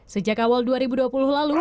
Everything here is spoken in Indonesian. sejak awal dua ribu dua puluh lalu